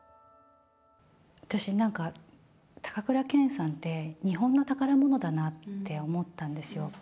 私、なんか高倉健さんって、日本の宝物だなって思ったんですよ。